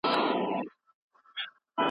یارانو لوبه اوړي د اسمان څه به کوو؟